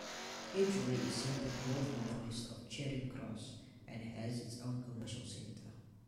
Edgware is centred north-northwest of Charing Cross and has its own commercial centre.